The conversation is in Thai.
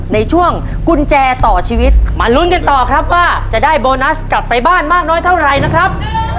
ในช่วงกุญแจต่อชีวิตมาลุ้นกันต่อครับว่าจะได้โบนัสกลับไปบ้านมากน้อยเท่าไหร่นะครับ